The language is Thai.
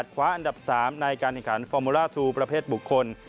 คว้าอันดับ๓ในการแข่งขันฟอร์มูล่าทูประเภทบุคคล